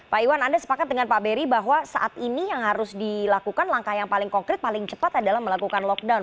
pak iwan anda sepakat dengan pak beri bahwa saat ini yang harus dilakukan langkah yang paling konkret paling cepat adalah melakukan lockdown